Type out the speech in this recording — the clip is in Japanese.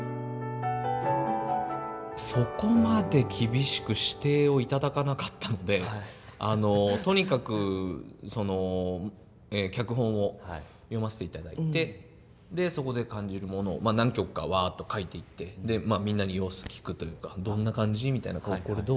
そこまで厳しく指定をいただかなかったのでとにかく脚本を読ませていただいてでそこで感じるものを何曲かワッと書いていってまあみんなに様子聞くというかどんな感じ？みたいなこれどう？